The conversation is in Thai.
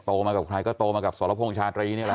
มากับใครก็โตมากับสรพงษ์ชาตรีนี่แหละ